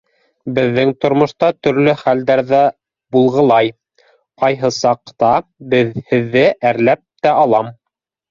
Беҙҙең тормошта төрлө хәлдәр ҙә булғылай: ҡайһы саҡта һеҙҙе әрләп тә алам.